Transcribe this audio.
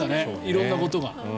色んなことが。